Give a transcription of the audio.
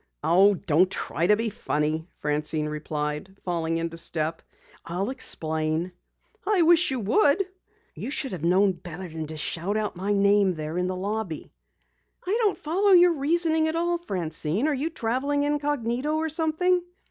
"Oh, don't try to be funny," Francine replied, falling into step. "I'll explain." "I wish you would." "You should have known better than to shout out my name there in the lobby." "I don't follow your reasoning at all, Francine. Are you traveling incognito or something?"